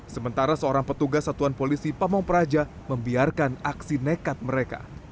sementara seorang petugas satuan polisi pamung praja membiarkan aksi nekat mereka